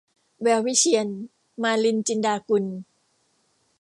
แวววิเชียร - มาลิน จินดากุล